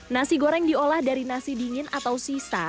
nasi goreng diolah dari nasi dingin atau sisa